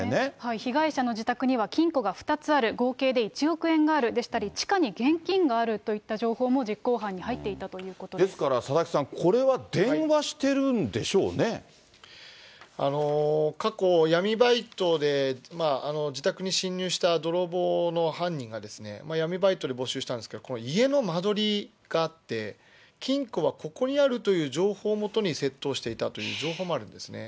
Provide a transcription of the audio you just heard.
被害者の自宅には金庫が２つある、合計１億円があるでしたり、地下に現金があるといった情報も実行犯に入っていたということでですから、佐々木さん、これ過去、闇バイトで自宅に侵入した泥棒の犯人がですね、闇バイトで募集したんですけど、家の間取りがあって、金庫はここにあるという情報をもとに窃盗していたという情報もあるんですね。